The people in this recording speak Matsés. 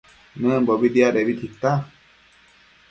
Nëmbobi diadebi tita